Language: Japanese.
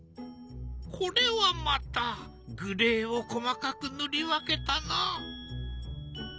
これはまたグレーを細かく塗り分けたな。